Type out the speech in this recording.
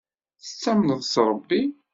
Tettamneḍ s Ṛebbi?